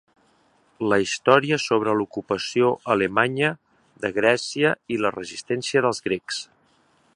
La història sobre l'ocupació alemanya de Grècia i la resistència dels grecs.